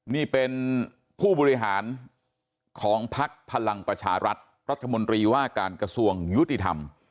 นี่เป็นผู้บริหารของพักพลังประชารัฐรัฐมนตรีว่าการกระทรวงยุติธรรม